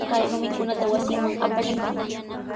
Kay rumikunata wasinman apashun.